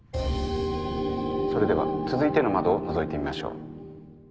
それでは続いての窓をのぞいてみましょう。